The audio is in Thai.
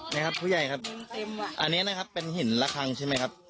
นี่ครับผู้ใหญ่ครับอันนี้นะครับเป็นหินละครั้งใช่ไหมครับ